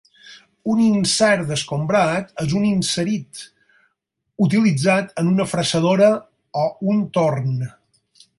Un "insert d'escombrat" és un inserit utilitzat en una fresadora o un torn.